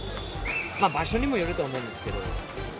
まあ場所にもよるとは思うんですけど。